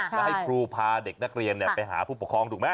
แล้วให้ครูพาเด็กนักเรียนไปหาผู้ปกครองถูกไหม